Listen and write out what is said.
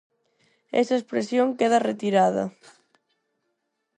Esa expresión queda retirada.